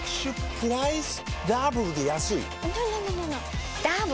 プライスダブルで安いＮｏ！